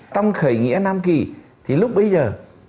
trong khởi nghĩa nam kỳ lúc bây giờ